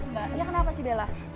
mbak dia kenapa sih bella